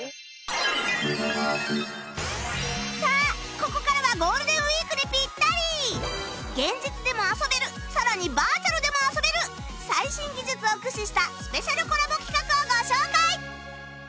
さあここからは現実でも遊べるさらにバーチャルでも遊べる最新技術を駆使したスペシャルコラボ企画をご紹介